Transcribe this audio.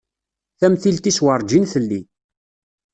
Tamtilt-is werǧin telli.